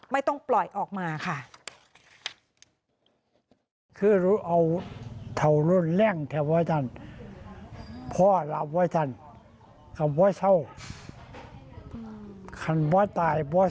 ไม่ต้องปล่อยออกมาค่ะ